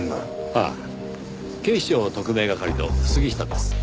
ああ警視庁特命係の杉下です。